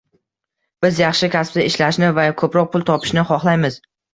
Biz yaxshi kasbda ishlashni va ko’proq pul topishni xohlaymiz